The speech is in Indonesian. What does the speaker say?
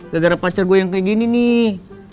gara gara pacar gue yang kayak gini nih